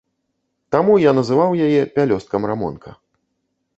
Таму я называў яе пялёсткам рамонка.